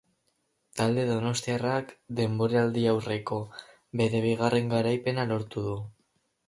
Talde donostiarrak denboraldiaurreko bere bigarren garaipena lortu du.